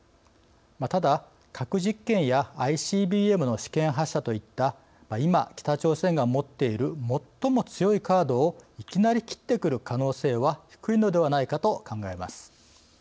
ただ、核実験やＩＣＢＭの試験発射といった今、北朝鮮が持っている最も強いカードをいきなり切ってくる可能性は低いのではないかと考えます。